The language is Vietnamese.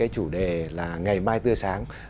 chủ đề là ngày mai tưa sáng